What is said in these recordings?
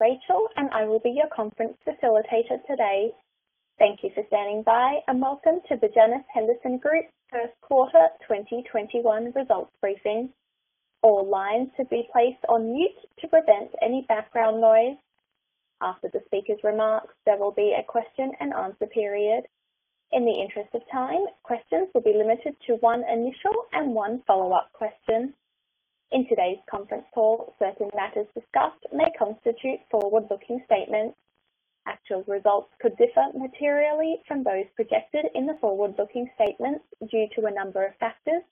Rachel, and I will be your conference facilitator today. Thank you for standing by, and welcome to the Janus Henderson Group First Quarter 2021 Results Briefing. All lines should be placed on mute to prevent any background noise. After the speaker's remarks, there will be a question and answer period. In the interest of time, questions will be limited to one initial and one follow-up question. In today's conference call, certain matters discussed may constitute forward-looking statements. Actual results could differ materially from those projected in the forward-looking statements due to a number of factors,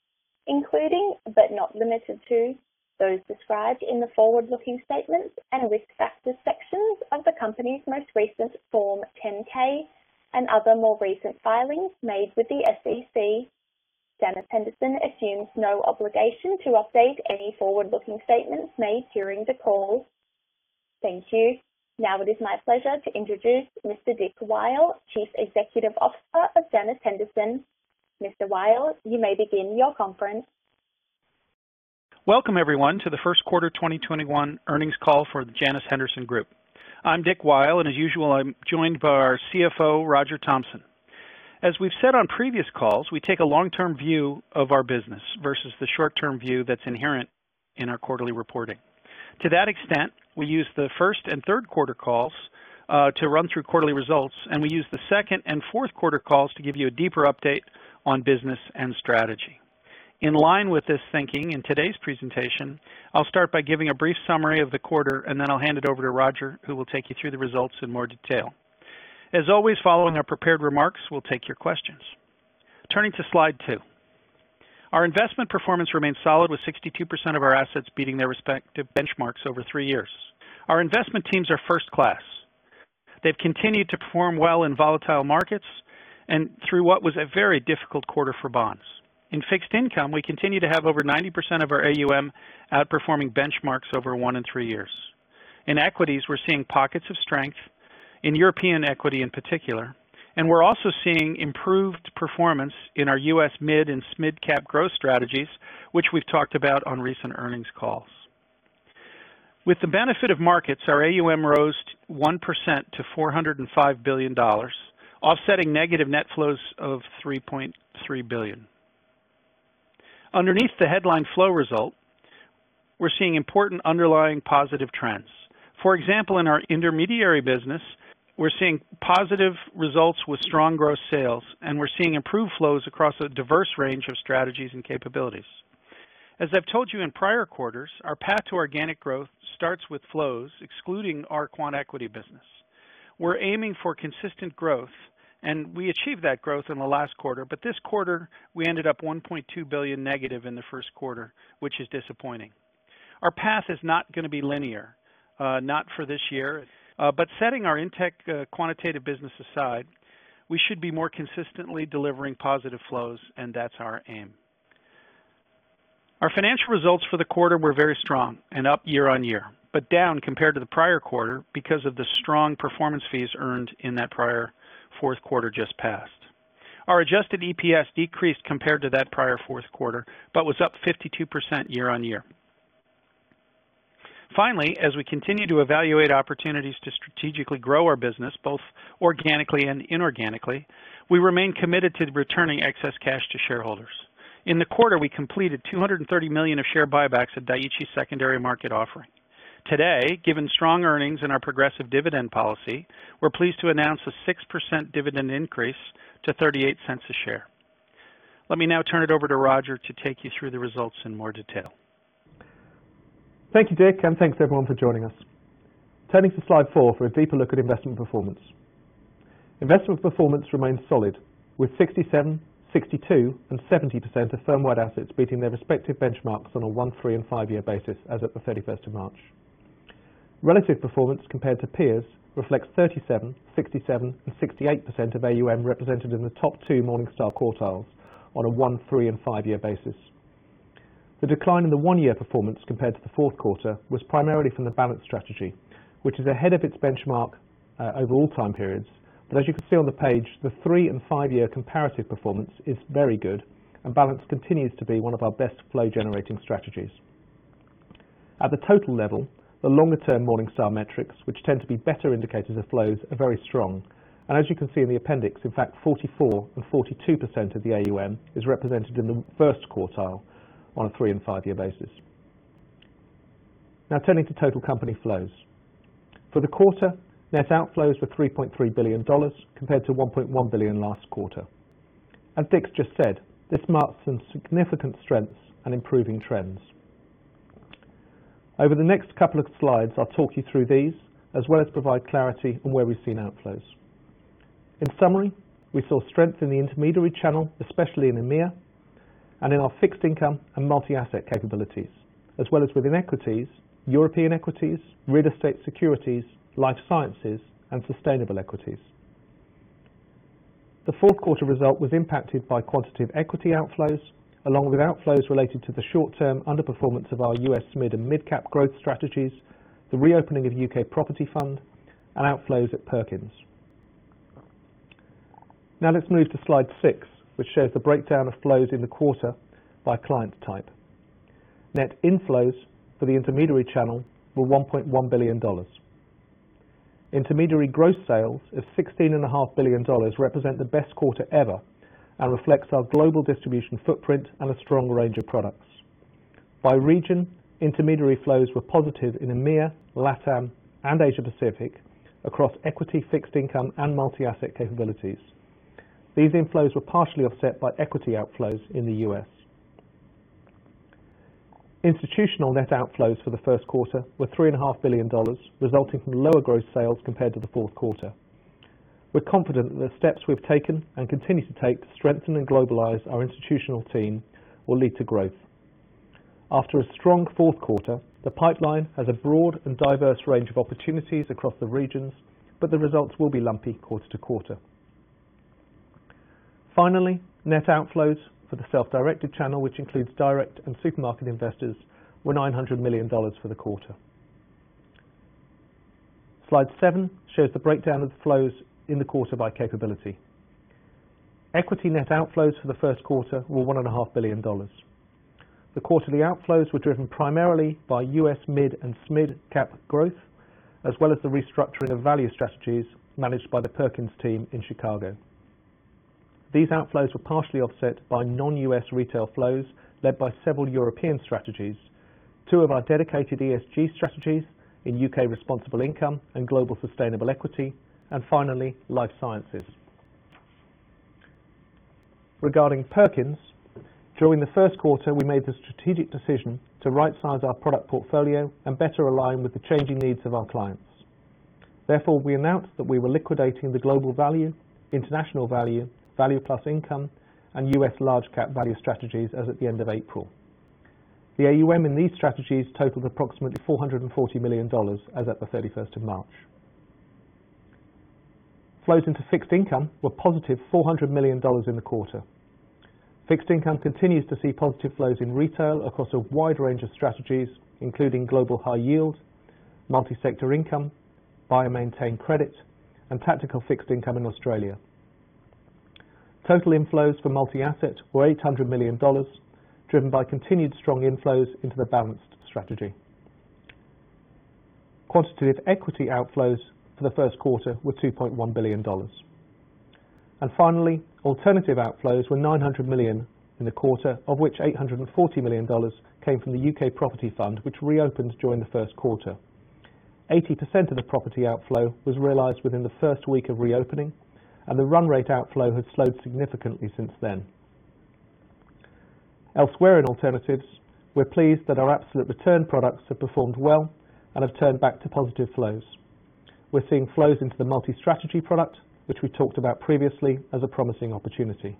including, but not limited to, those described in the forward-looking statements and risk factors sections of the company's most recent Form 10-K and other more recent filings made with the SEC. Janus Henderson assumes no obligation to update any forward-looking statements made during the call. Thank you. Now it is my pleasure to introduce Mr. Dick Weil, Chief Executive Officer of Janus Henderson. Mr. Weil, you may begin your conference. Welcome, everyone, to the first quarter 2021 earnings call for the Janus Henderson Group. I'm Dick Weil, and as usual, I'm joined by our CFO, Roger Thompson. As we've said on previous calls, we take a long-term view of our business versus the short-term view that's inherent in our quarterly reporting. To that extent, we use the first and third quarter calls to run through quarterly results, and we use the second and fourth quarter calls to give you a deeper update on business and strategy. In line with this thinking, in today's presentation, I'll start by giving a brief summary of the quarter, and then I'll hand it over to Roger, who will take you through the results in more detail. As always, following our prepared remarks, we'll take your questions. Turning to Slide two. Our investment performance remains solid with 62% of our assets beating their respective benchmarks over three years. Our investment teams are first class. They've continued to perform well in volatile markets and through what was a very difficult quarter for bonds. In fixed income, we continue to have over 90% of our AUM outperforming benchmarks over one in three years. In equities, we're seeing pockets of strength in European equity in particular, and we're also seeing improved performance in our U.S. mid and SMID cap growth strategies, which we've talked about on recent earnings calls. With the benefit of markets, our AUM rose 1% to $405 billion, offsetting negative net flows of $3.3 billion. Underneath the headline flow result, we're seeing important underlying positive trends. For example, in our intermediary business, we're seeing positive results with strong growth sales, and we're seeing improved flows across a diverse range of strategies and capabilities. As I've told you in prior quarters, our path to organic growth starts with flows, excluding our quant equity business. We're aiming for consistent growth, and we achieved that growth in the last quarter. This quarter, we ended up $1.2 billion negative in the first quarter, which is disappointing. Our path is not going to be linear, not for this year. Setting our intake quantitative business aside, we should be more consistently delivering positive flows, and that's our aim. Our financial results for the quarter were very strong and up year-on-year, but down compared to the prior quarter because of the strong performance fees earned in that prior fourth quarter just passed. Our adjusted EPS decreased compared to that prior fourth quarter, but was up 52% year-on-year. Finally, as we continue to evaluate opportunities to strategically grow our business, both organically and inorganically, we remain committed to returning excess cash to shareholders. In the quarter, we completed $230 million of share buybacks at Dai-ichi Secondary Market Offering. Today, given strong earnings in our progressive dividend policy, we're pleased to announce a 6% dividend increase to $0.38 a share. Let me now turn it over to Roger to take you through the results in more detail. Thank you, Dick, and thanks everyone for joining us. Turning to Slide four for a deeper look at investment performance. Investment performance remains solid, with 67%, 62%, and 70% of firm-wide assets beating their respective benchmarks on a one, three, and five-year basis as at the 31st of March. Relative performance compared to peers reflects 37%, 67%, and 68% of AUM represented in the top two Morningstar quartiles on a one, three, and five-year basis. The decline in the one-year performance compared to the fourth quarter was primarily from the balance strategy, which is ahead of its benchmark over all time periods. As you can see on the page, the three and five-year comparative performance is very good, and balance continues to be one of our best flow-generating strategies. At the total level, the longer-term Morningstar metrics, which tend to be better indicators of flows, are very strong. As you can see in the appendix, in fact, 44% and 42% of the AUM is represented in the first quartile on a three and five-year basis. Turning to total company flows. For the quarter, net outflows were $3.3 billion compared to $1.1 billion last quarter. As Dick's just said, this marks some significant strengths and improving trends. Over the next couple of slides, I'll talk you through these, as well as provide clarity on where we've seen outflows. In summary, we saw strength in the intermediary channel, especially in EMEIA, and in our fixed income and multi-asset capabilities, as well as within equities, European equities, real estate securities, life sciences, and sustainable equities. The fourth quarter result was impacted by quantitative equity outflows, along with outflows related to the short-term underperformance of our U.S. SMID and mid-cap growth strategies, the reopening of U.K. Property PAIF, and outflows at Perkins. Now let's move to slide six, which shows the breakdown of flows in the quarter by client type. Net inflows for the intermediary channel were $1.1 billion. Intermediary gross sales of $16.5 billion represent the best quarter ever and reflects our global distribution footprint and a strong range of products. By region, intermediary flows were positive in EMEA, LATAM, and Asia Pacific across equity, fixed income, and multi-asset capabilities. These inflows were partially offset by equity outflows in the U.S. Institutional net outflows for the first quarter were $3.5 billion, resulting from lower gross sales compared to the fourth quarter. We're confident that the steps we've taken and continue to take to strengthen and globalize our institutional team will lead to growth. After a strong fourth quarter, the pipeline has a broad and diverse range of opportunities across the regions, but the results will be lumpy quarter-to-quarter. Finally, net outflows for the self-directed channel, which includes direct and supermarket investors, were $900 million for the quarter. Slide seven shows the breakdown of the flows in the quarter by capability. Equity net outflows for the first quarter were $1.5 billion. The quarterly outflows were driven primarily by U.S. mid and SMID cap growth, as well as the restructuring of value strategies managed by the Perkins team in Chicago. These outflows were partially offset by non-U.S. retail flows led by several European strategies, two of our dedicated ESG strategies in U.K. Responsible Income and Global Sustainable Equity, and finally, life sciences. Regarding Perkins, during the first quarter, we made the strategic decision to rightsize our product portfolio and better align with the changing needs of our clients. Therefore, we announced that we were liquidating the Global Value, International Value Plus Income, and U.S. Large Cap Value strategies as at the end of April. The AUM in these strategies totaled approximately $440 million as at the 31st of March. Flows into fixed income were positive $400 million in the quarter. Fixed income continues to see positive flows in retail across a wide range of strategies, including Global High Yield, Multi-Sector Income, Buy and Maintain Credit, and Tactical Fixed Income in Australia. Total inflows for multi-asset were $800 million, driven by continued strong inflows into the balanced strategy. Quantitative equity outflows for the first quarter were $2.1 billion. Finally, alternative outflows were $900 million in the quarter, of which $840 million came from the UK property fund, which reopened during the first quarter. 80% of the property outflow was realized within the first week of reopening, and the run rate outflow has slowed significantly since then. Elsewhere in alternatives, we're pleased that our absolute return products have performed well and have turned back to positive flows. We're seeing flows into the multi-strategy product, which we talked about previously as a promising opportunity.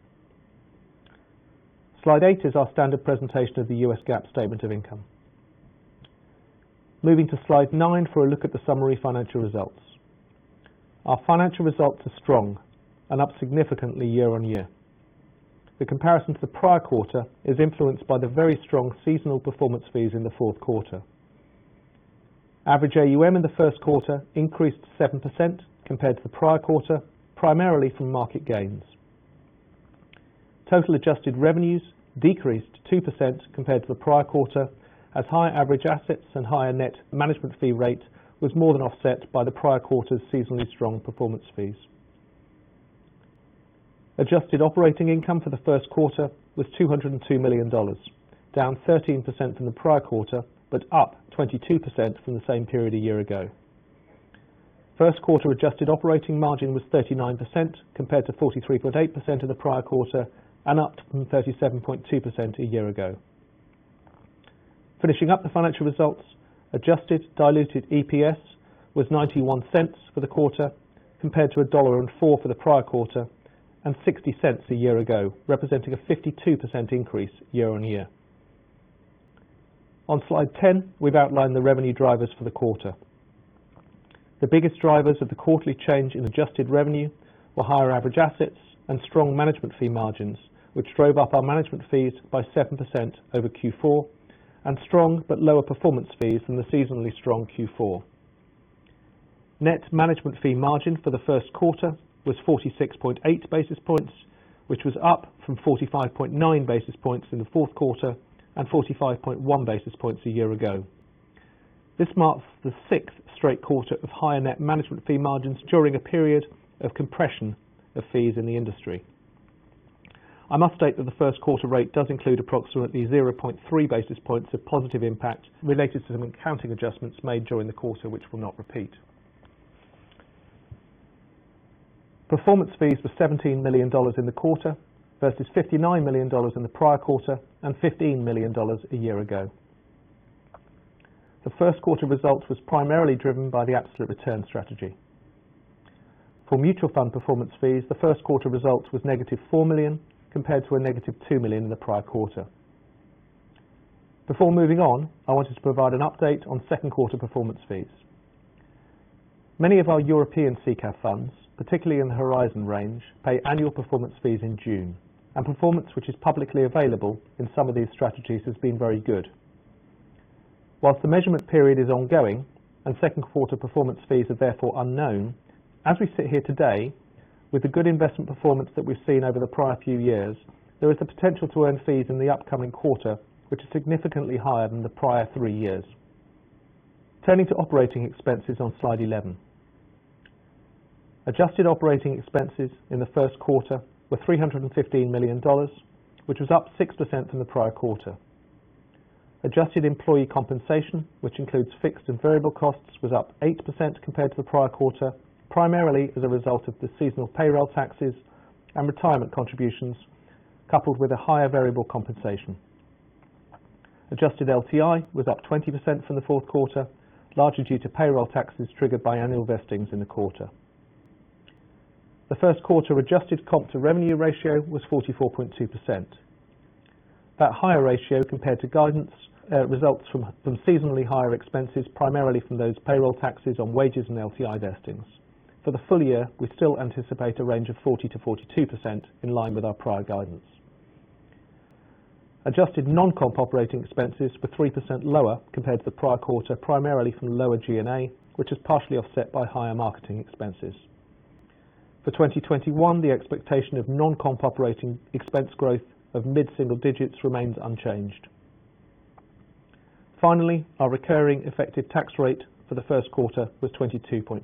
Slide eight is our standard presentation of the US GAAP statement of income. Moving to slide nine for a look at the summary financial results. Our financial results are strong and up significantly year-on-year. The comparison to the prior quarter is influenced by the very strong seasonal performance fees in the fourth quarter. Average AUM in the first quarter increased 7% compared to the prior quarter, primarily from market gains. Total adjusted revenues decreased 2% compared to the prior quarter, as higher average assets and higher net management fee rate was more than offset by the prior quarter's seasonally strong performance fees. Adjusted operating income for the first quarter was $202 million, down 13% from the prior quarter, but up 22% from the same period a year ago. First quarter adjusted operating margin was 39% compared to 43.8% in the prior quarter and up from 37.2% a year ago. Finishing up the financial results, adjusted diluted EPS was $0.91 for the quarter compared to $1.04 for the prior quarter and $0.60 a year ago, representing a 52% increase year-on-year. On slide 10, we've outlined the revenue drivers for the quarter. The biggest drivers of the quarterly change in adjusted revenue were higher average assets and strong management fee margins, which drove up our management fees by 7% over Q4, and strong but lower performance fees than the seasonally strong Q4. Net management fee margin for the first quarter was 46.8 basis points, which was up from 45.9 basis points in the fourth quarter and 45.1 basis points a year ago. This marks the sixth straight quarter of higher net management fee margins during a period of compression of fees in the industry. I must state that the first quarter rate does include approximately 0.3 basis points of positive impact related to some accounting adjustments made during the quarter, which will not repeat. Performance fees were $17 million in the quarter versus $59 million in the prior quarter and $15 million a year ago. The first quarter results was primarily driven by the absolute return strategy. For mutual fund performance fees, the first quarter result was negative $4 million compared to a negative $2 million in the prior quarter. Before moving on, I wanted to provide an update on second quarter performance fees. Many of our European SICAV funds, particularly in the Horizon range, pay annual performance fees in June, and performance which is publicly available in some of these strategies has been very good. While the measurement period is ongoing and second quarter performance fees are therefore unknown, as we sit here today, with the good investment performance that we've seen over the prior few years, there is the potential to earn fees in the upcoming quarter, which are significantly higher than the prior three years. Turning to operating expenses on slide 11. Adjusted operating expenses in the first quarter were $315 million, which was up 6% from the prior quarter. Adjusted employee compensation, which includes fixed and Variable costs, was up 8% compared to the prior quarter, primarily as a result of the seasonal payroll taxes and retirement contributions, coupled with a higher variable compensation. Adjusted LTI was up 20% from the fourth quarter, largely due to payroll taxes triggered by annual vestings in the quarter. The first quarter adjusted comp to revenue ratio was 44.2%. That higher ratio compared to guidance results from seasonally higher expenses, primarily from those payroll taxes on wages and LTI vestings. For the full year, we still anticipate a range of 40%-42% in line with our prior guidance. Adjusted non-comp operating expenses were 3% lower compared to the prior quarter, primarily from lower G&A, which is partially offset by higher marketing expenses. For 2021, the expectation of non-comp operating expense growth of mid-single digits remains unchanged. Finally, our recurring effective tax rate for the first quarter was 22.5%.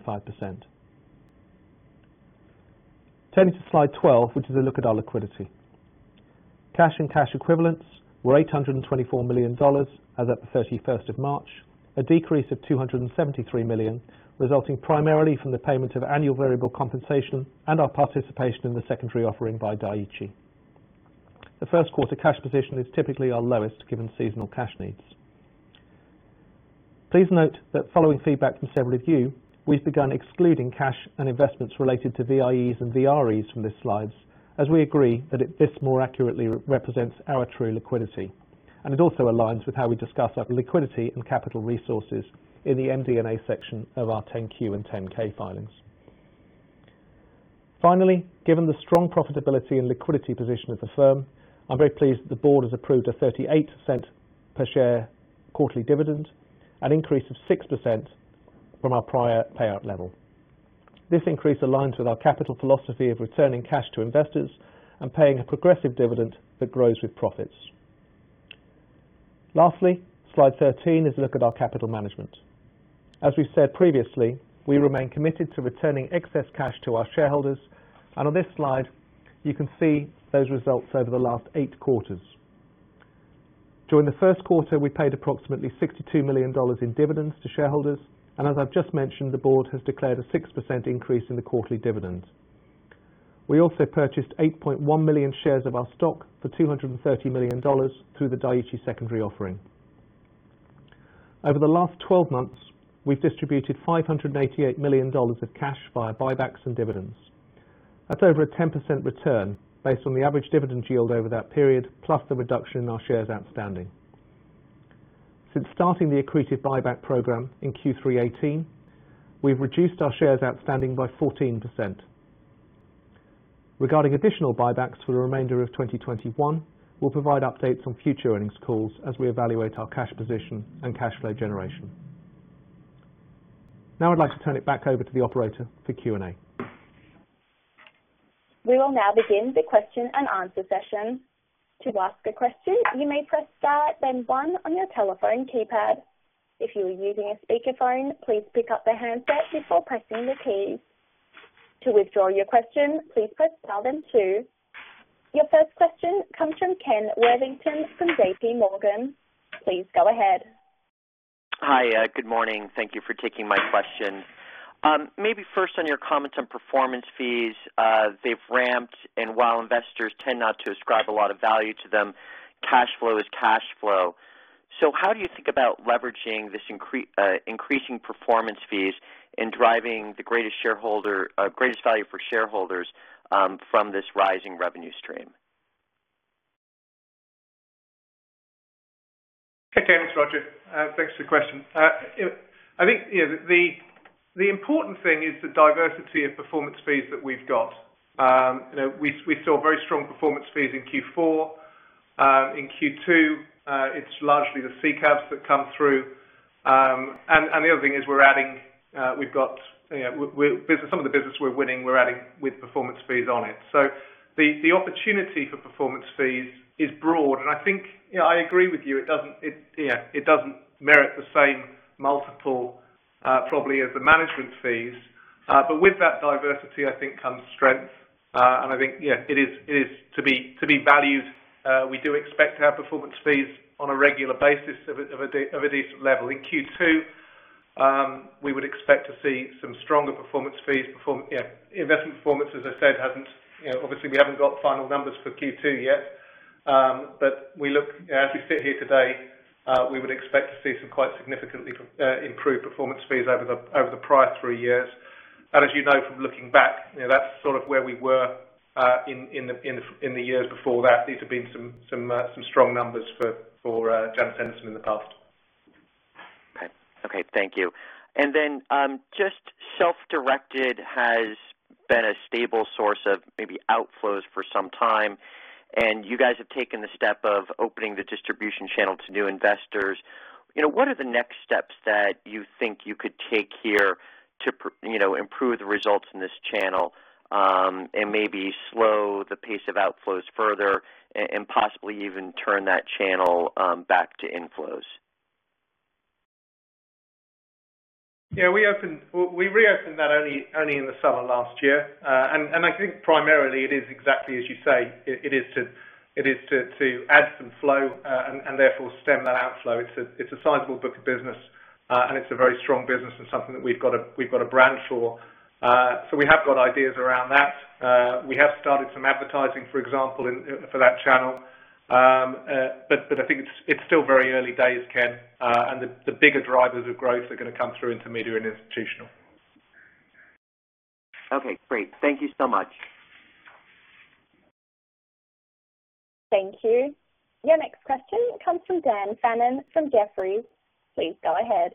Turning to slide 12, which is a look at our liquidity. Cash and cash equivalents were $824 million as at the 31st of March, a decrease of $273 million, resulting primarily from the payment of annual variable compensation and our participation in the secondary offering by Dai-ichi. The first quarter cash position is typically our lowest, given seasonal cash needs. Please note that following feedback from several of you, we've begun excluding cash and investments related to VIEs and VREs from the slides, as we agree that this more accurately represents our true liquidity, and it also aligns with how we discuss our liquidity and capital resources in the MD&A section of our 10-Q and 10-K filings. Finally, given the strong profitability and liquidity position of the firm, I'm very pleased that the board has approved a $0.38 per share quarterly dividend, an increase of 6% from our prior payout level. This increase aligns with our capital philosophy of returning cash to investors and paying a progressive dividend that grows with profits. Slide 13 is a look at our capital management. As we've said previously, we remain committed to returning excess cash to our shareholders. On this slide, you can see those results over the last eight quarters. During the first quarter, we paid approximately $62 million in dividends to shareholders. As I've just mentioned, the board has declared a 6% increase in the quarterly dividends. We also purchased 8.1 million shares of our stock for $230 million through the Dai-ichi secondary offering. Over the last 12 months, we've distributed $588 million of cash via buybacks and dividends. That's over a 10% return based on the average dividend yield over that period, plus the reduction in our shares outstanding. Since starting the accretive buyback program in Q3 2018, we've reduced our shares outstanding by 14%. Regarding additional buybacks for the remainder of 2021, we'll provide updates on future earnings calls as we evaluate our cash position and cash flow generation. I'd like to turn it back over to the operator for Q&A. We will now begin the question and answer session. Your first question comes from Ken Worthington from JP Morgan. Please go ahead. Hi. Good morning. Thank you for taking my question. Maybe first on your comments on performance fees. They've ramped and while investors tend not to ascribe a lot of value to them, cash flow is cash flow. How do you think about leveraging this increasing performance fees and driving the greatest value for shareholders from this rising revenue stream? Okay, thanks, Roger. Thanks for the question. I think the important thing is the diversity of performance fees that we've got. We saw very strong performance fees in Q4. In Q2, it is largely the CCAR that come through. The other thing is we are adding, some of the business we are winning, we are adding with performance fees on it. The opportunity for performance fees is broad, and I think I agree with you. It does not merit the same multiple probably as the management fees. With that diversity, I think comes strength. I think it is to be valued. We do expect to have performance fees on a regular basis of a decent level. In Q2, we would expect to see some stronger performance fees. Investment performance, as I said, obviously we have not got final numbers for Q2 yet. As we sit here today, we would expect to see some quite significantly improved performance fees over the prior three years. As you know from looking back, that's sort of where we were in the years before that. These have been some strong numbers for Janus Henderson in the past. Okay. Thank you. Just self-directed has been a stable source of maybe outflows for some time, and you guys have taken the step of opening the distribution channel to new investors. What are the next steps that you think you could take here to improve the results in this channel, and maybe slow the pace of outflows further and possibly even turn that channel back to inflows? Yeah. We reopened that only in the summer last year. I think primarily it is exactly as you say. It is to add some flow, and therefore stem that outflow. It's a sizable book of business, and it's a very strong business and something that we've got a brand for. We have got ideas around that. We have started some advertising, for example, for that channel. I think it's still very early days, Ken, and the bigger drivers of growth are going to come through intermediary and institutional. Okay, great. Thank you so much. Thank you. Your next question comes from Dan Fannon from Jefferies. Please go ahead.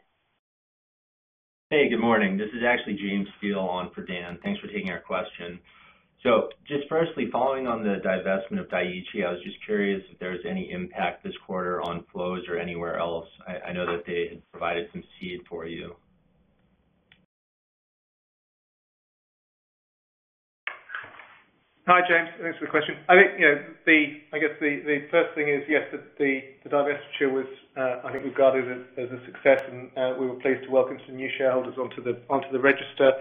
Good morning. This is actually James Steel on for Dan. Thanks for taking our question. Just firstly, following on the divestment of Dai-ichi, I was just curious if there was any impact this quarter on flows or anywhere else. I know that they had provided some seed for you. Hi, James. Thanks for the question. I guess the first thing is, yes, the divestiture was, I think, regarded as a success, and we were pleased to welcome some new shareholders onto the register.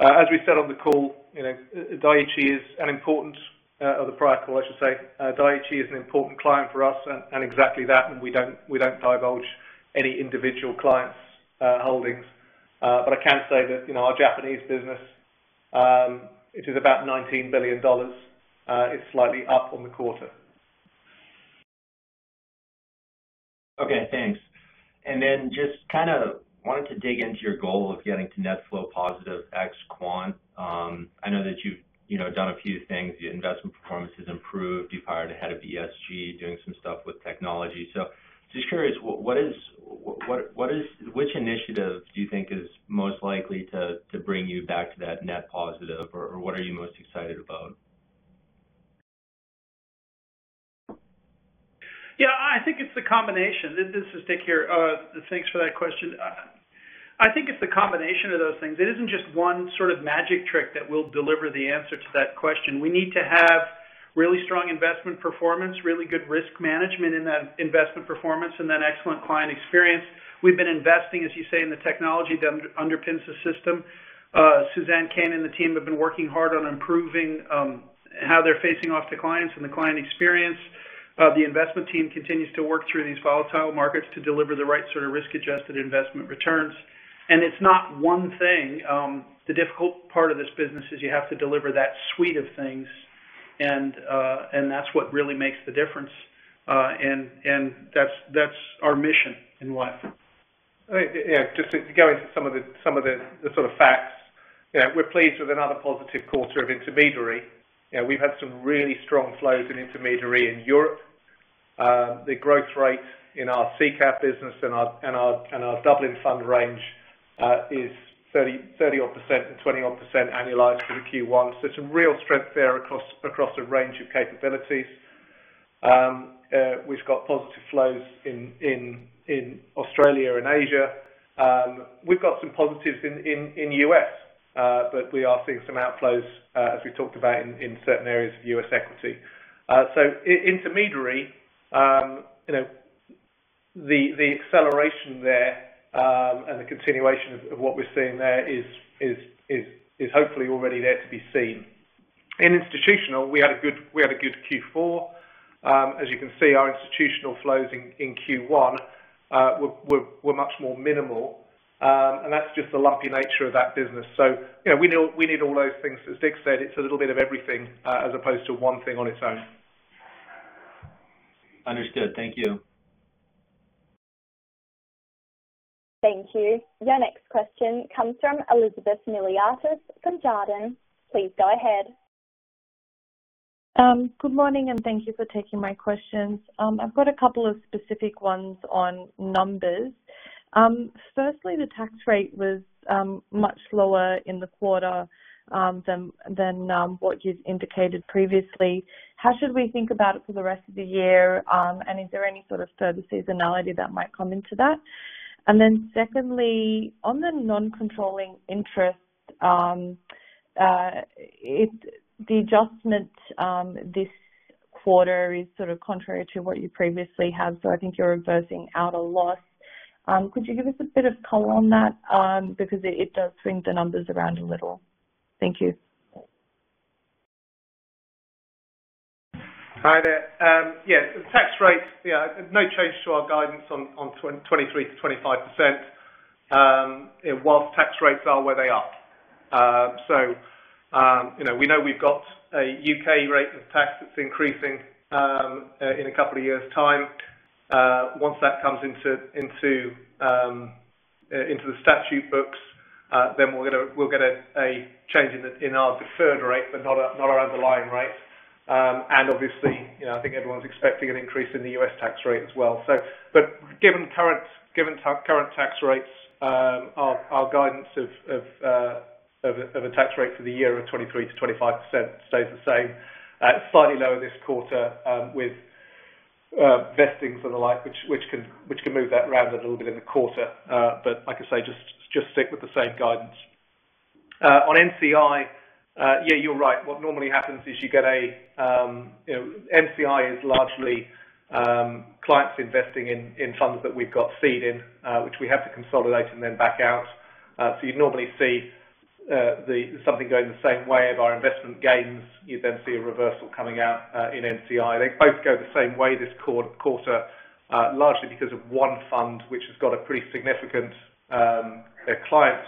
As we said on the call, Dai-ichi is an important, or the prior call, I should say, Dai-ichi is an important client for us and exactly that, and we don't divulge any individual clients' holdings. I can say that our Japanese business, which is about $19 billion, is slightly up on the quarter. Okay, thanks. Then just kind of wanted to dig into your goal of getting to net flow positive ex-quant. I know that you've done a few things. Your investment performance has improved. You've hired a head of ESG, doing some stuff with technology. Just curious, which initiative do you think is most likely to bring you back to that net positive, or what are you most excited about? Yeah, I think it's the combination. This is Dick here. Thanks for that question. I think it's the combination of those things. It isn't just one sort of magic trick that will deliver the answer to that question. We need to have really strong investment performance, really good risk management in that investment performance, and then excellent client experience. We've been investing, as you say, in the technology that underpins the system. Suzanne, Kane, and the team have been working hard on improving how they're facing off to clients and the client experience. The investment team continues to work through these volatile markets to deliver the right sort of risk-adjusted investment returns. It's not one thing. The difficult part of this business is you have to deliver that suite of things, and that's what really makes the difference. That's our mission in life. Yeah. Just to go into some of the sort of facts. We're pleased with another positive quarter of intermediary. We've had some really strong flows in intermediary in Europe. The growth rate in our CCAP business and our Dublin fund range is 30%-odd and 20%-odd annualized for the Q1. Some real strength there across a range of capabilities. We've got positive flows in Australia and Asia. We've got some positives in U.S., but we are seeing some outflows, as we talked about, in certain areas of U.S. equity. Intermediary, the acceleration there, and the continuation of what we're seeing there is hopefully already there to be seen. In institutional, we had a good Q4. As you can see, our institutional flows in Q1 were much more minimal, and that's just the lumpy nature of that business. We need all those things that Dick said. It's a little bit of everything, as opposed to one thing on its own. Understood. Thank you. Thank you. Your next question comes from Elizabeth Miliatis from Jarden. Please go ahead. Good morning, and thank you for taking my questions. I've got a couple of specific ones on numbers. Firstly, the tax rate was much lower in the quarter than what you've indicated previously. How should we think about it for the rest of the year, and is there any sort of further seasonality that might come into that? Secondly, on the Non-Controlling Interest, the adjustment this quarter is sort of contrary to what you previously had, so I think you're reversing out a loss. Could you give us a bit of color on that? Because it does swing the numbers around a little. Thank you. Hi there. Yes, the tax rates. There's no change to our guidance on 23%-25% whilst tax rates are where they are. We know we've got a U.K. rate of tax that's increasing in a couple of years' time. Once that comes into the statute books, then we'll get a change in our deferred rate, but not our underlying rate. I think everyone's expecting an increase in the U.S. tax rate as well. Given current tax rates, our guidance of a tax rate for the year of 23%-25% stays the same. Slightly lower this quarter with vestings and the like which can move that around a little bit in the quarter. Like I say, just stick with the same guidance. On NCI, yeah, you're right. What normally happens is NCI is largely clients investing in funds that we've got seed in, which we have to consolidate and then back out. You'd normally see something going the same way of our investment gains, you then see a reversal coming out in NCI. They both go the same way this quarter, largely because of one fund, which has got a pretty significant client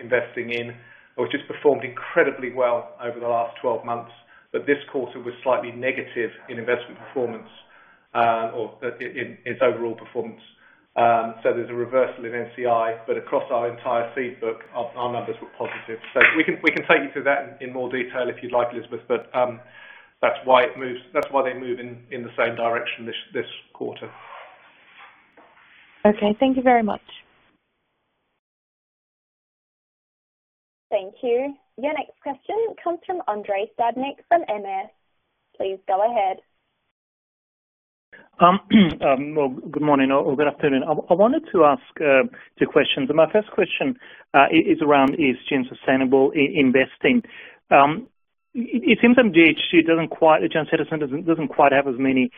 investing in, which has performed incredibly well over the last 12 months. This quarter was slightly negative in investment performance, or in its overall performance. There's a reversal in NCI, but across our entire seed book, our numbers were positive. We can take you through that in more detail if you'd like, Elizabeth. That's why they move in the same direction this quarter. Okay. Thank you very much. Thank you. Your next question comes from Andrei Stadnik from MS. Please go ahead. Good morning or good afternoon. I wanted to ask two questions. My first question is around ESG and sustainable investing. It seems like Janus Henderson doesn't quite have as many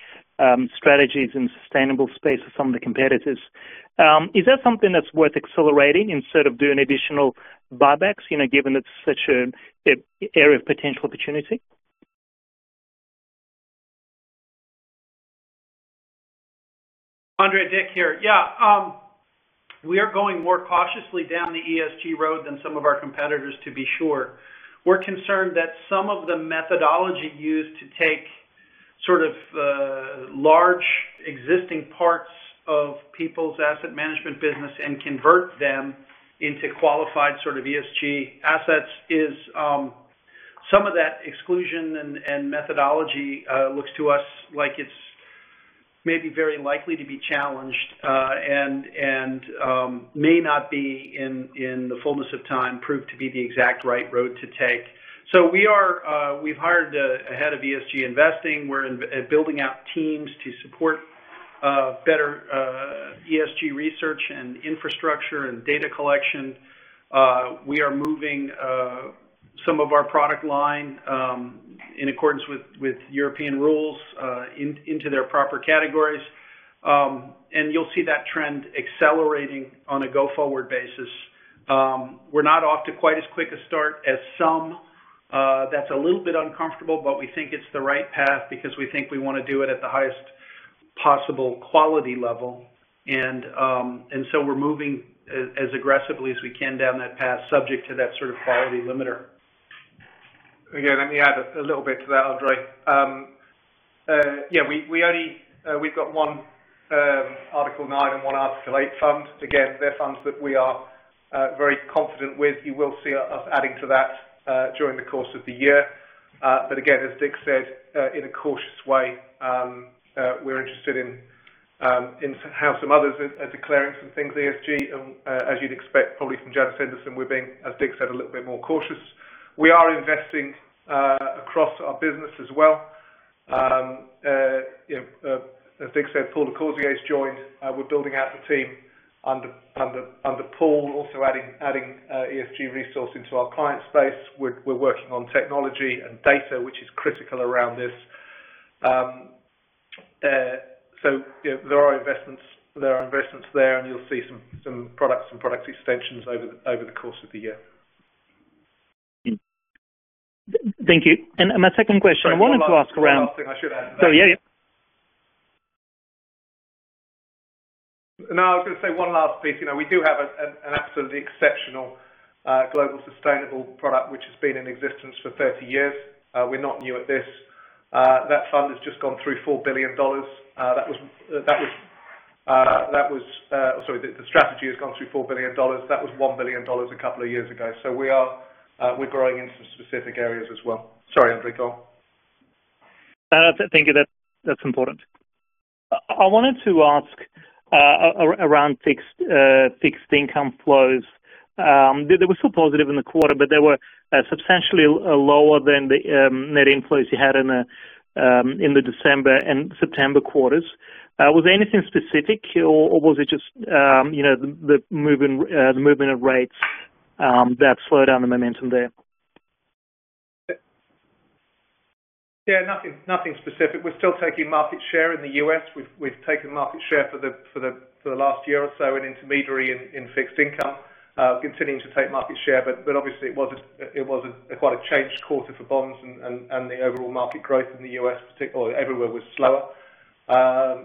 strategies in sustainable space as some of the competitors. Is that something that's worth accelerating instead of doing additional buybacks, given it's such an area of potential opportunity? Andrei, Dick here. Yeah. We are going more cautiously down the ESG road than some of our competitors, to be sure. We're concerned that some of the methodology used to take large existing parts of people's asset management business and convert them into qualified ESG assets. Some of that exclusion and methodology looks to us like it's maybe very likely to be challenged, and may not be, in the fullness of time, prove to be the exact right road to take. We've hired a head of ESG investing. We're building out teams to support better ESG research and infrastructure and data collection. We are moving some of our product line, in accordance with European rules, into their proper categories. You'll see that trend accelerating on a go-forward basis. We're not off to quite as quick a start as some. That's a little bit uncomfortable, but we think it's the right path because we think we want to do it at the highest possible quality level. We're moving as aggressively as we can down that path, subject to that sort of quality limiter. Again, let me add a little bit to that, Andre. We've got one Article nine and one Article eight fund. Again, they're funds that we are very confident with. You will see us adding to that during the course of the year. Again, as Dick said, in a cautious way, we're interested in how some others are declaring some things ESG. As you'd expect, probably from Janus Henderson, we're being, as Dick said, a little bit more cautious. We are investing across our business as well. As Dick said, Paul LaCoursiere has joined. We're building out the team under Paul, also adding ESG resource into our client space. We're working on technology and data, which is critical around this. There are investments there, and you'll see some products and product extensions over the course of the year. Thank you. My second question I wanted to ask. Sorry, one last thing I should add. Sorry, yeah. No, I was going to say one last piece. We do have an absolutely exceptional global sustainable product, which has been in existence for 30 years. We're not new at this. That fund has just gone through $4 billion. Sorry, the strategy has gone through $4 billion. That was $1 billion a couple of years ago. We're growing in some specific areas as well. Sorry, Andrei, go on. Thank you. That's important. I wanted to ask around fixed income flows. They were still positive in the quarter, but they were substantially lower than the net inflows you had in the December and September quarters. Was there anything specific or was it just the movement of rates that slowed down the momentum there? Nothing specific. We're still taking market share in the U.S. We've taken market share for the last year or so in intermediary and in fixed income. Continuing to take market share, obviously it was quite a changed quarter for bonds and the overall market growth in the U.S., everywhere was slower.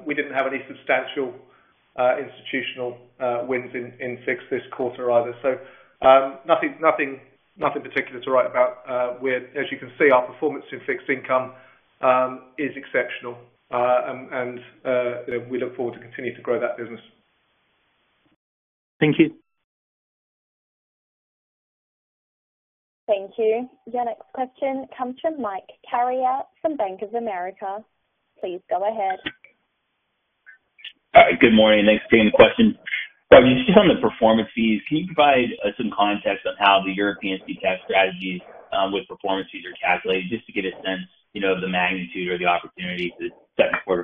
We didn't have any substantial institutional wins in fixed this quarter either. Nothing particular to write about. As you can see, our performance in fixed income is exceptional. We look forward to continue to grow that business. Thank you. Thank you. Your next question comes from Michael Carrier from Bank of America. Please go ahead. Hi. Good morning. Thanks for taking the question. Roger, just on the performance fees, can you provide some context on how the European CTF strategies with performance fees are calculated, just to get a sense of the magnitude or the opportunity for the second quarter?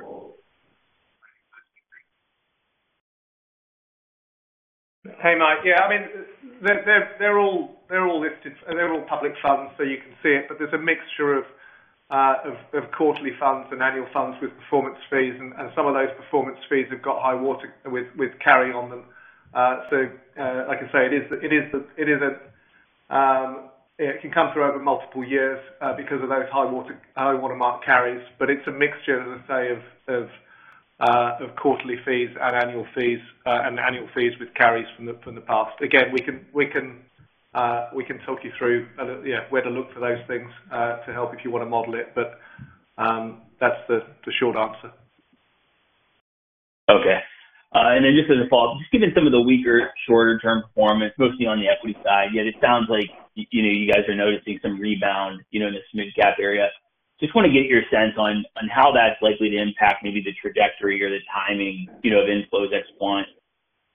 Hey, Michael Carrier. Yeah. They're all listed, and they're all public funds, so you can see it, there's a mixture of quarterly funds and annual funds with performance fees, and some of those performance fees have got high water with carry on them. Like I say, it can come through over multiple years because of those high-water mark carries. It's a mixture, as I say, of quarterly fees and annual fees, and annual fees with carries from the past. Again, we can talk you through where to look for those things to help if you want to model it. That's the short answer. Okay. Just as a follow-up, just given some of the weaker shorter-term performance, mostly on the equity side, yet it sounds like you guys are noticing some rebound in the midcap area. I just want to get your sense on how that's likely to impact maybe the trajectory or the timing of inflows at this point,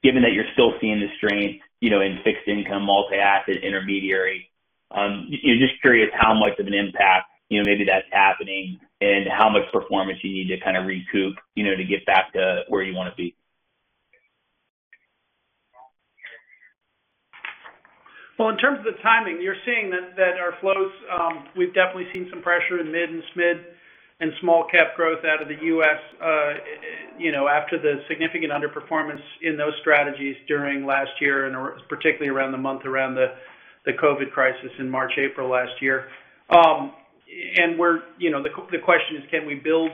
given that you're still seeing the strength in fixed income, multi-asset, intermediary. I am just curious how much of an impact maybe that's happening and how much performance you need to kind of recoup to get back to where you want to be? In terms of the timing, you're seeing that our flows, we've definitely seen some pressure in mid and SMID and small-cap growth out of the U.S. after the significant underperformance in those strategies during last year, and particularly around the month around the COVID crisis in March, April last year. The question is, can we build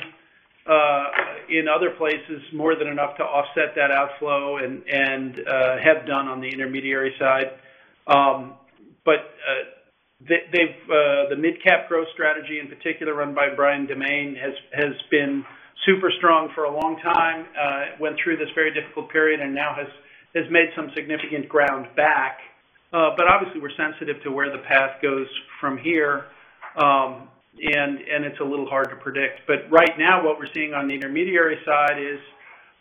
in other places more than enough to offset that outflow and have done on the intermediary side? The midcap growth strategy in particular, run by Brian Demain, has been super strong for a long time. It went through this very difficult period and now has made some significant ground back. Obviously, we're sensitive to where the path goes from here, and it's a little hard to predict. Right now, what we're seeing on the intermediary side is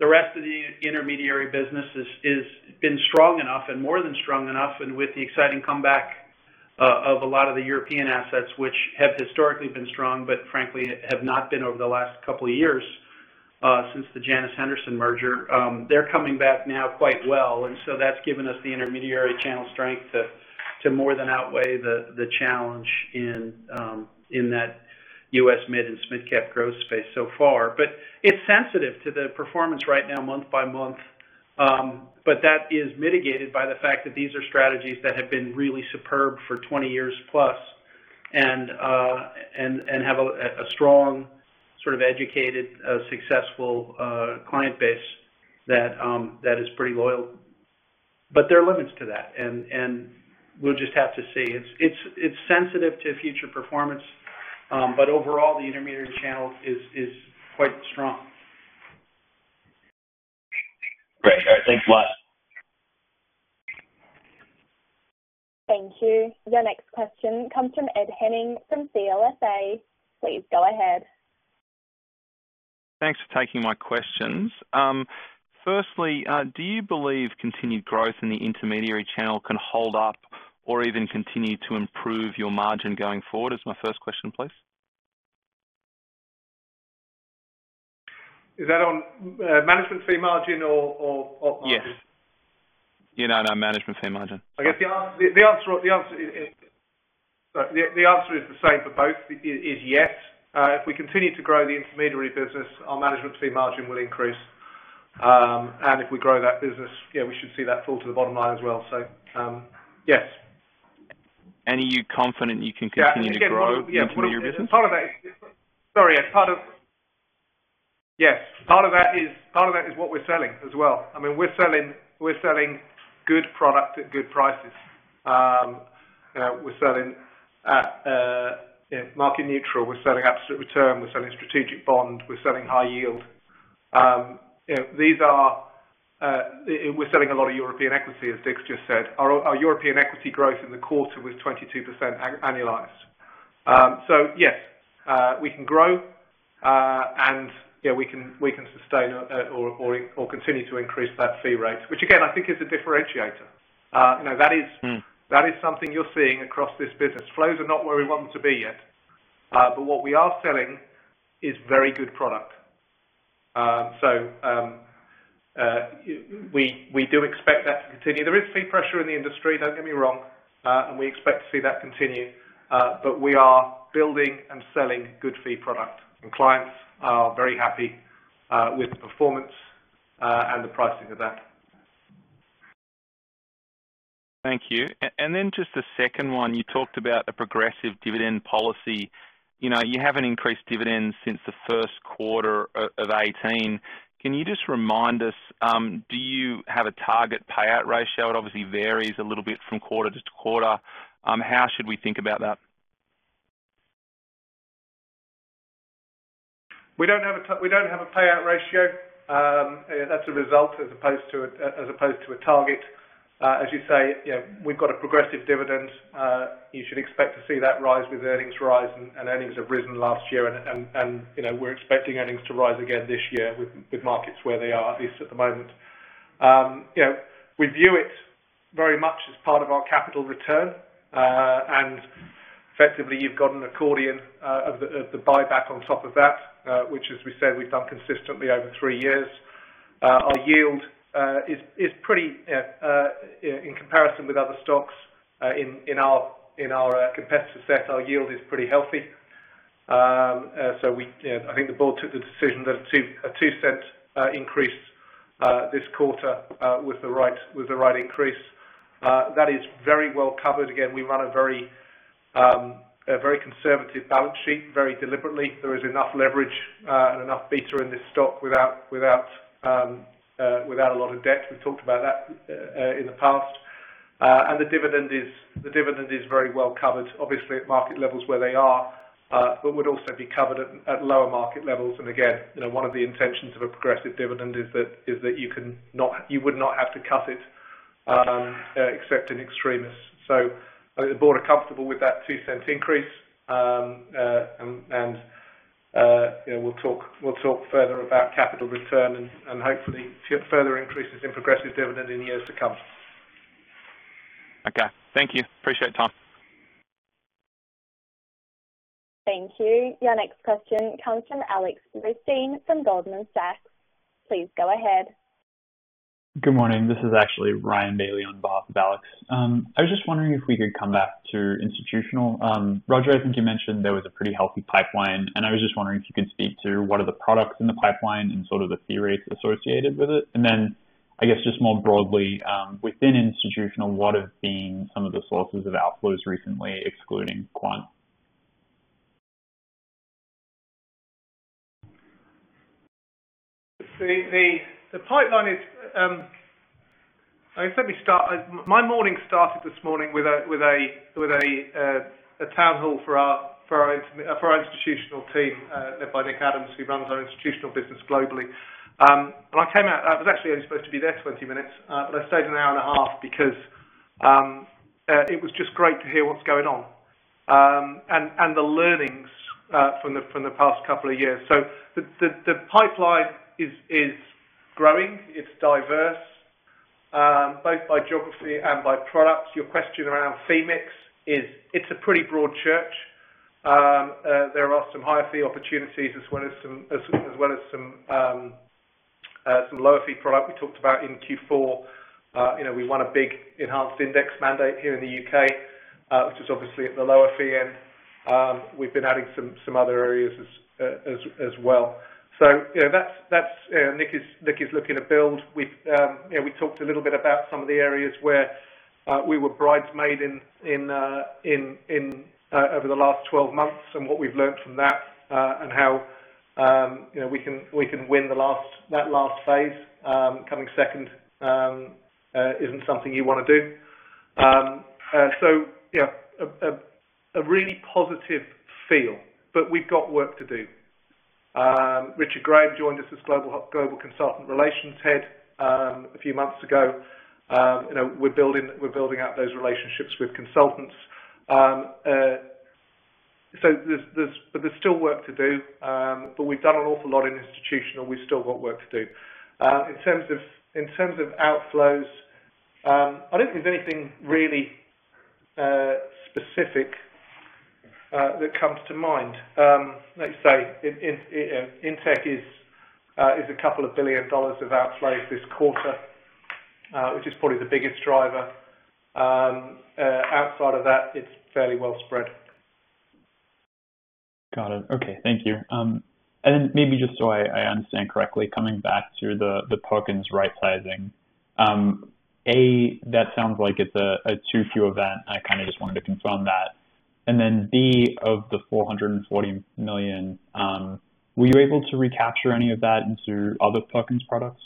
the rest of the intermediary business has been strong enough and more than strong enough. With the exciting comeback of a lot of the European assets, which have historically been strong, frankly have not been over the last couple of years since the Janus Henderson merger. They're coming back now quite well, that's given us the intermediary channel strength to more than outweigh the challenge in that U.S. mid and SMID cap growth space so far. It's sensitive to the performance right now month by month. That is mitigated by the fact that these are strategies that have been really superb for 20 years plus, and have a strong, sort of educated, successful client base that is pretty loyal. There are limits to that, we'll just have to see. It's sensitive to future performance, but overall, the intermediary channel is quite strong. Great. All right. Thanks a lot. Thank you. Your next question comes from Ed Henning from CLSA. Please go ahead. Thanks for taking my questions. Firstly, do you believe continued growth in the intermediary channel can hold up or even continue to improve your margin going forward? Is my first question, please. Is that on management fee margin or op margin? Yes. No, management fee margin. I guess the answer is the same for both, is yes. If we continue to grow the intermediary business, our management fee margin will increase. If we grow that business, yeah, we should see that fall to the bottom line as well. Yes. Are you confident you can continue to grow the intermediary business? Sorry. Yes. Part of that is what we're selling as well. We're selling good product at good prices. We're selling at market neutral. We're selling absolute return. We're selling strategic bond. We're selling high yield. We're selling a lot of European equity, as Dick's just said. Our European equity growth in the quarter was 22% annualized. Yes, we can grow, and we can sustain or continue to increase that fee rate, which again, I think is a differentiator. That is something you're seeing across this business. Flows are not where we want them to be yet. What we are selling is very good product. We do expect that to continue. There is fee pressure in the industry, don't get me wrong, and we expect to see that continue. We are building and selling good fee product, and clients are very happy with the performance and the pricing of that. Thank you. Just a second one, you talked about a progressive dividend policy. You haven't increased dividends since the first quarter of 2018. Can you just remind us, do you have a target payout ratio? It obviously varies a little bit from quarter-to-quarter. How should we think about that? We don't have a payout ratio. That's a result as opposed to a target. As you say, we've got a progressive dividend. You should expect to see that rise with earnings rise and earnings have risen last year. We're expecting earnings to rise again this year with markets where they are, at least at the moment. We view it very much as part of our capital return. Effectively, you've got an accordion of the buyback on top of that, which as we said, we've done consistently over three years. Our yield is pretty, in comparison with other stocks, in our competitor set, our yield is pretty healthy. I think the board took the decision that a 0.02 increase this quarter was the right increase. That is very well covered. Again, we run a very conservative balance sheet, very deliberately. There is enough leverage and enough beta in this stock without a lot of debt. We talked about that in the past. The dividend is very well covered, obviously at market levels where they are, but would also be covered at lower market levels. Again, one of the intentions of a progressive dividend is that you would not have to cut it except in extremis. I think the board are comfortable with that $0.02 increase. We'll talk further about capital return and hopefully tip further increases in progressive dividend in years to come. Okay. Thank you. Appreciate the time. Thank you. Your next question comes from Alex Blostein from Goldman Sachs. Please go ahead. Good morning. This is actually Ryan Bailey on behalf of Alex. I was just wondering if we could come back to institutional. Roger, I think you mentioned there was a pretty healthy pipeline, and I was just wondering if you could speak to what are the products in the pipeline and sort of the fee rates associated with it? I guess just more broadly, within institutional, what have been some of the sources of outflows recently, excluding quant? My morning started this morning with a town hall for our institutional team led by Nick Adams, who runs our institutional business globally. I came out, I was actually only supposed to be there 20 minutes, but I stayed an hour and a half because it was just great to hear what's going on. The learnings from the past couple of years. The pipeline is growing. It's diverse, both by geography and by products. Your question around fee mix is, it's a pretty broad church. There are some higher fee opportunities as well as some lower fee product we talked about in Q4. We won a big enhanced index mandate here in the U.K., which is obviously at the lower fee end. We've been adding some other areas as well. Nick is looking to build. We talked a little bit about some of the areas where we were bridesmaid over the last 12 months and what we've learnt from that, how we can win that last phase. Coming second isn't something you want to do. It's a really positive feel, but we've got work to do. Richard Graham joined us as Global Consultant Relations Head a few months ago. We're building out those relationships with consultants. There's still work to do, but we've done an awful lot in institutional. We've still got work to do. In terms of outflows, I don't think there's anything really specific that comes to mind. Like you say, in tech is a couple of billion GBP of outflows this quarter, which is probably the biggest driver. Outside of that, it's fairly well spread. Got it. Okay. Thank you. Then maybe just so I understand correctly, coming back to the Perkins right sizing. A, that sounds like it's a too few event, and I kind of just wanted to confirm that. Then B, of the $440 million, were you able to recapture any of that into other Perkins products?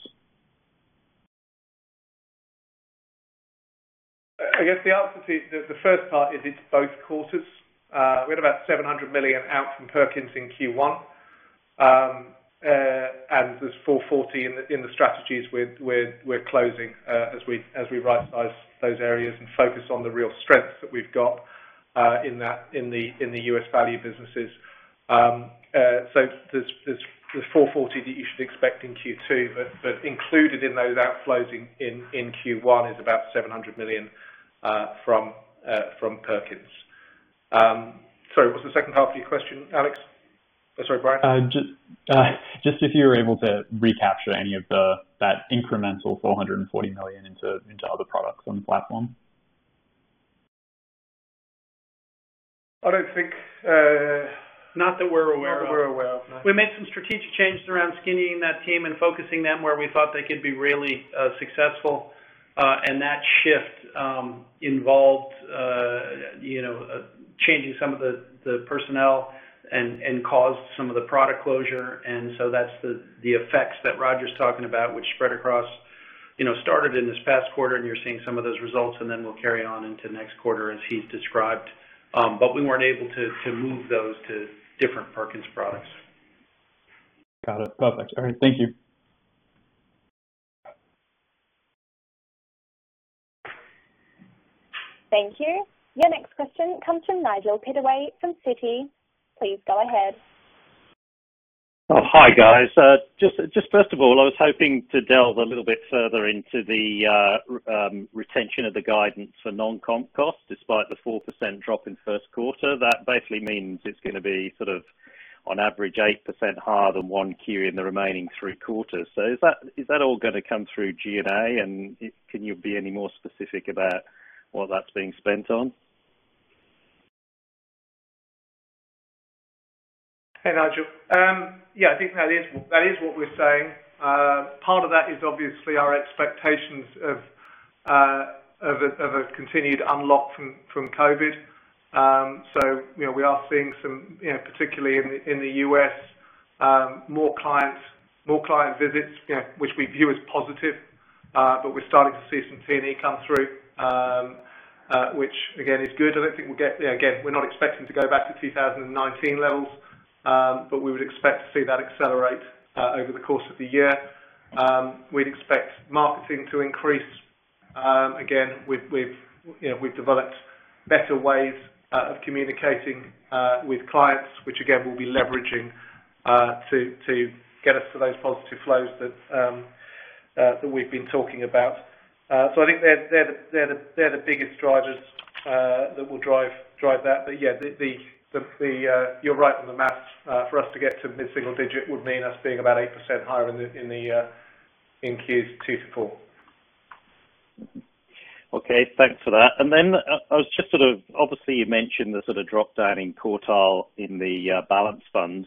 I guess the answer is, the first part is it's both quarters. We had about $700 million out from Perkins in Q1. There's $440 in the strategies we're closing as we rightsize those areas and focus on the real strengths that we've got in the U.S. value businesses. There's $440 that you should expect in Q2, but included in those outflows in Q1 is about $700 million from Perkins. Sorry, what's the second half of your question, Alex? Sorry, Brian. Just if you were able to recapture any of that incremental $440 million into other products on the platform. Not that we're aware of. Not that we're aware of, no. We made some strategic changes around skinning that team and focusing them where we thought they could be really successful. That shift involved changing some of the personnel and caused some of the product closure, and so that's the effects that Roger's talking about, which started in this past quarter, and you're seeing some of those results, and then we'll carry on into next quarter as he's described. We weren't able to move those to different Perkins products. Got it. Perfect. All right, thank you. Thank you. Your next question comes from Nigel Pittaway from Citi. Please go ahead. Oh, hi, guys. Just first of all, I was hoping to delve a little bit further into the retention of the guidance for non-comp costs, despite the 4% drop in first quarter. That basically means it's going to be sort of on average 8% higher than 1Q in the remaining 3 quarters. Is that all going to come through G&A? Can you be any more specific about what that's being spent on? Hey, Nigel. I think that is what we're saying. Part of that is obviously our expectations of a continued unlock from COVID. We are seeing some, particularly in the U.S., more client visits, which we view as positive. We're starting to see some T&E come through, which again, is good. I don't think we'll again, we're not expecting to go back to 2019 levels. We would expect to see that accelerate over the course of the year. We'd expect marketing to increase. Again, we've developed better ways of communicating with clients, which again, we'll be leveraging to get us to those positive flows that we've been talking about. I think they're the biggest drivers that will drive that. Yeah, you're right on the math. For us to get to mid-single digit would mean us being about 8% higher in Q2 to four. Okay. Thanks for that. I was just obviously, you mentioned the sort of drop-down in quartile in the balance fund.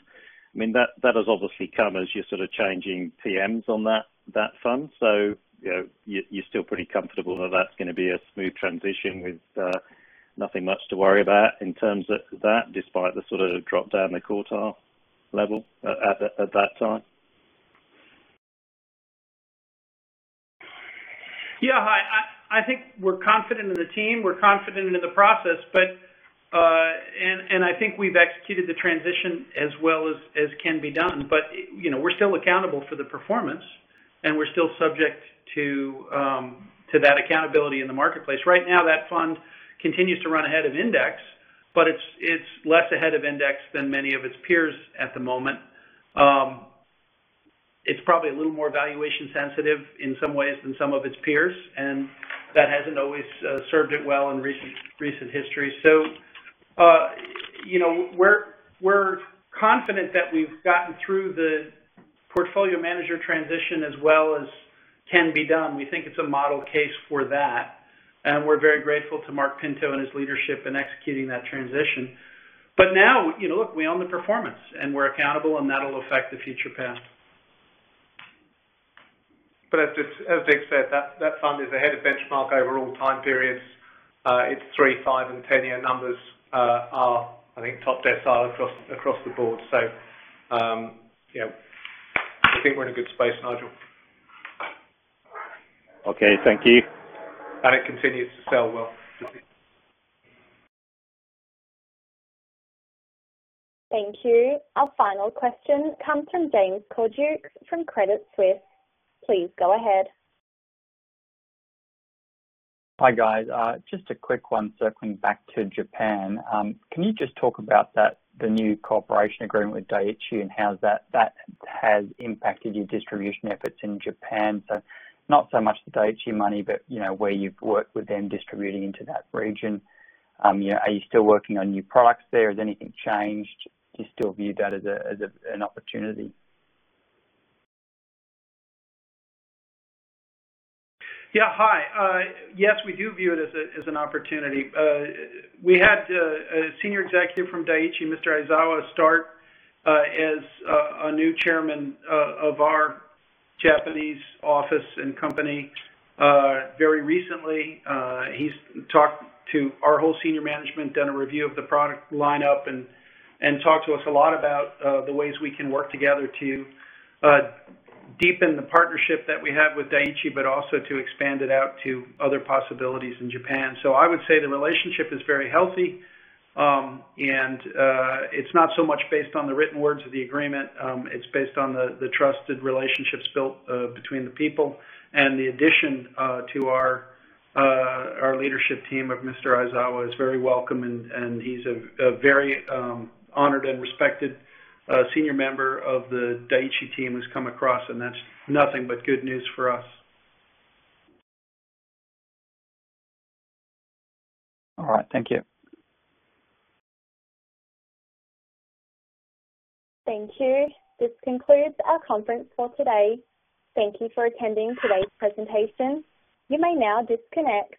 That has obviously come as you're sort of changing PMs on that fund. You're still pretty comfortable that's going to be a smooth transition with nothing much to worry about in terms of that, despite the sort of drop-down, the quartile level at that time? Yeah. I think we're confident in the team, we're confident in the process, and I think we've executed the transition as well as can be done. We're still accountable for the performance, and we're still subject to that accountability in the marketplace. Right now, that fund continues to run ahead of index, but it's less ahead of index than many of its peers at the moment. It's probably a little more valuation sensitive in some ways than some of its peers, and that hasn't always served it well in recent history. We're confident that we've gotten through the portfolio manager transition as well as can be done. We think it's a model case for that, and we're very grateful to Marc Pinto and his leadership in executing that transition. Now, look, we own the performance, and we're accountable, and that'll affect the future path. As Dick said, that fund is ahead of benchmark over all time periods. Its three, five, and 10-year numbers are, I think, top decile across the board. I think we're in a good space, Nigel. Okay, thank you. It continues to sell well. Thank you. Our final question comes from James Cordukes from Credit Suisse. Please go ahead. Hi, guys. Just a quick one circling back to Japan. Can you just talk about the new cooperation agreement with Dai-ichi, and how that has impacted your distribution efforts in Japan? Not so much the Dai-ichi money, but where you've worked with them distributing into that region. Are you still working on new products there? Has anything changed? Do you still view that as an opportunity? Yes, we do view it as an opportunity. We had a senior executive from Dai-ichi, Mr. Aizawa, start as a new chairman of our Japanese office and company very recently. He's talked to our whole senior management, done a review of the product lineup, talked to us a lot about the ways we can work together to deepen the partnership that we have with Dai-ichi, but also to expand it out to other possibilities in Japan. I would say the relationship is very healthy. It's not so much based on the written words of the agreement. It's based on the trusted relationships built between the people. The addition to our leadership team of Mr. Aizawa is very welcome, and he's a very honored and respected senior member of the Dai-ichi team who's come across, and that's nothing but good news for us. All right. Thank you. Thank you. This concludes our conference for today. Thank you for attending today's presentation. You may now disconnect.